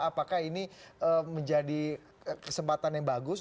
apakah ini menjadi kesempatan yang bagus